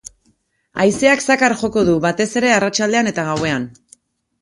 Haizeak zakar joko du, batez ere arratsaldean eta gauean.